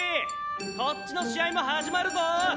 こっちの試合も始まるぞぉ！